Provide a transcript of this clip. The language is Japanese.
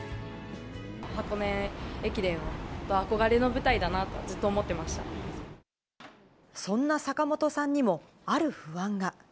箱根駅伝は憧れの舞台だなと、そんな坂元さんにも、ある不安が。